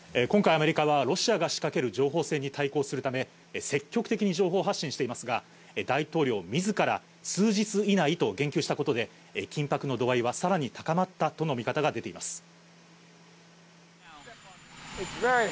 今回、アメリカはロシアが仕掛ける情報戦に対応するため、積極的に情報発信していますが、大統領みずから数日以内と言及したことで、緊迫の度合いはさらに高まったとの見方が出ています。